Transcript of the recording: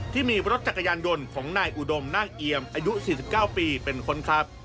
ที่มีรถจักรยานยนต์ของนายอุดมนาคเอียมอายุ๔๙ปีเป็นคนขับ